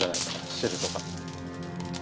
汁とか。